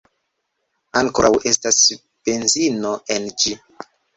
Ankoraŭ estas benzino en ĝi